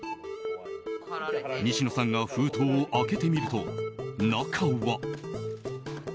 西野さんが封筒を開けてみると中は。